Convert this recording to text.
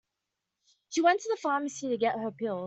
She went to the pharmacy to get her pills.